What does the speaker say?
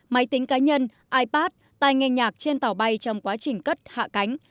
máy tính cá nhân ipad tay nghe nhạc trên tàu bay trong quá trình cất hạ cánh